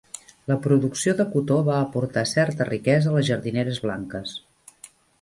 La producció de cotó va aportar certa riquesa a les jardineres blanques.